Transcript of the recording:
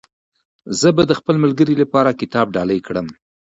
زه به د خپل ملګري لپاره کتاب ډالۍ کړم.